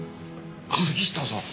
杉下さん。